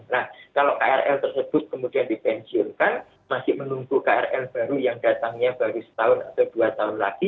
nah kalau krl tersebut kemudian dipensiunkan masih menunggu krl baru yang datangnya baru setahun atau dua tahun lagi